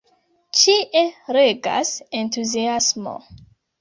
Ĉie regas entuziasmo.